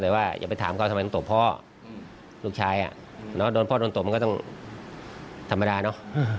แต่ว่าอย่าไปถามเขาทำไมมันตบพ่อลูกชายโดนพ่อโดนตบมันก็ต้องธรรมดาเนอะ